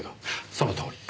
そのとおり。